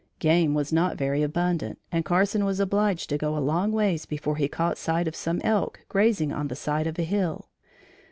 Game was not very abundant and Carson was obliged to go a long ways before he caught sight of some elk grazing on the side of a hill.